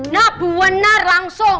nah benar langsung